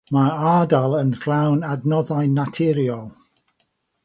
Mae'r ardal yn llawn adnoddau naturiol.